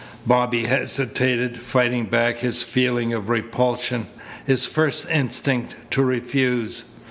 Bobby hesitated, fighting back his feeling of repulsion, his first instinct to refuse.